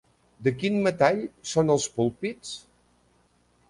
De quin metall són els púlpits?